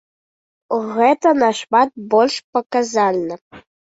Гэта нашмат больш паказальна.